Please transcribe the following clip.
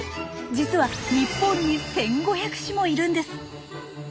実は日本に１，５００種もいるんです。